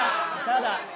ただ！